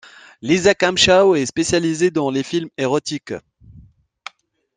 Lisa Comshaw est spécialisée dans les films érotiques.